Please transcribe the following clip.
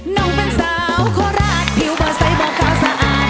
น้องเป็นสาวขอร้าดผิวบ่อยใส่บ่อยขาวสะอาด